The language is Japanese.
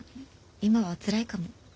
今はつらいかも。